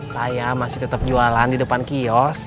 saya masih tetap jualan di depan kios